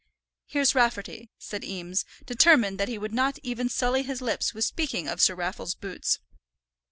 "Here's Rafferty," said Eames, determined that he would not even sully his lips with speaking of Sir Raffle's boots.